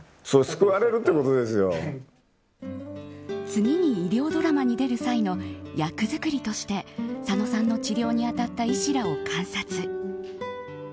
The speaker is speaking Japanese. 次に医療ドラマに出る際の役作りとして佐野さんの治療に当たった医師らを観察。